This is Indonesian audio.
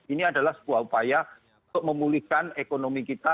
ini adalah sebuah upaya untuk memulihkan ekonomi kita